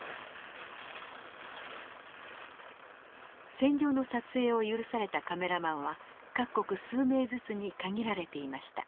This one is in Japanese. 戦場の撮影を許されたカメラマンは各国数名ずつに限られていました。